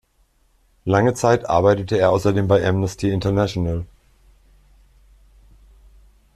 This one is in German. Lange Zeit arbeitete er außerdem bei amnesty international.